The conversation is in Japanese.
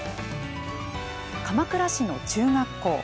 鎌倉市の中学校。